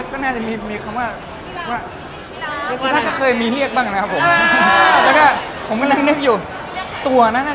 คนที่จะเรียกผมก็คือดั้งสุดคราวนะครับผม